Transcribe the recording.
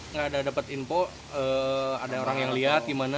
nggak ada dapat info ada orang yang lihat gimana